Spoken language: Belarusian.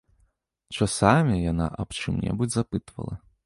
Часамі яна аб чым-небудзь запытвала.